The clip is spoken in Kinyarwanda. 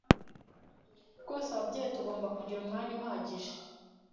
Rwose ababyeyi tugomba kugira umwanya uhagije